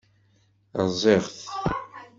Rẓiɣ-t.